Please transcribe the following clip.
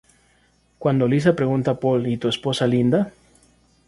Cuando Lisa pregunta a Paul "¿Y tu esposa Linda?